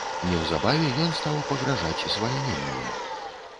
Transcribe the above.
Неўзабаве ён стаў пагражаць звальненнем.